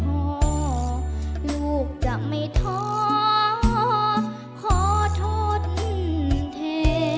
พ่อลูกจะไม่ท้อขอทนเท